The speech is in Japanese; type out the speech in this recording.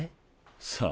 さあ？